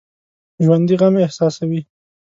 ژوندي غم احساسوي